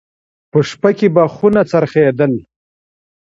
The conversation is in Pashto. په شپه کې به خونه څرخېدل.